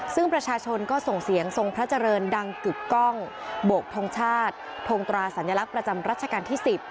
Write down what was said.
ซึ่งประชาชนก็ส่งเสียงทรงพระเจริญดังกึกกล้องโบกทงชาติทงตราสัญลักษณ์ประจำรัชกาลที่๑๐